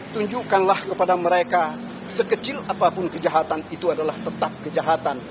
tunjukkanlah kepada mereka sekecil apapun kejahatan itu adalah tetap kejahatan